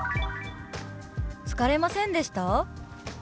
「疲れませんでした？」。